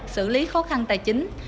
xử lý khó khăn tài chính